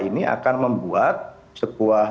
ini akan membuat sebuah